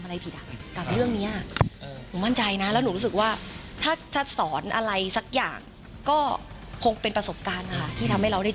เลิกกันก็เป็นเพื่อนกันได้